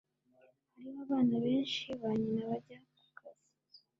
hariho abana benshi ba nyina bajya kukazi